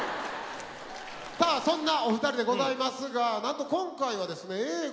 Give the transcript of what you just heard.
さあそんなお二人でございますがなんと今回はですねＡぇ！